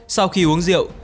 sau khi uống rượu